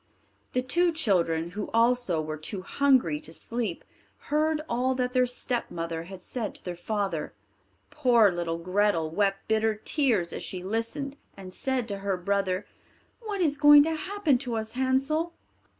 The two children, who also were too hungry to sleep, heard all that their stepmother had said to their father. Poor little Grethel wept bitter tears as she listened, and said to her brother, "What is going to happen to us, Hansel?"